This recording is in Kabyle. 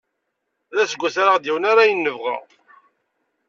D aseggas ara aɣ-d-yawin ala ayen nebɣa.